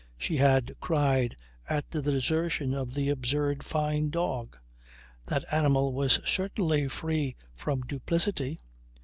She had cried at the desertion of the absurd Fyne dog. That animal was certainly free from duplicity.